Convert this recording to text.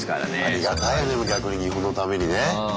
ありがたいでも逆に日本のためにね。